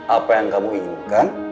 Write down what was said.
apa yang kamu inginkan